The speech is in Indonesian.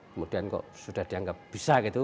kemudian kok sudah dianggap bisa gitu